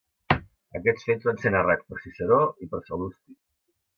Aquests fets van ser narrats per Ciceró i per Sal·lusti.